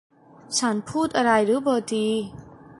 ฉันพูดอะไรหรือ เบอร์ตี้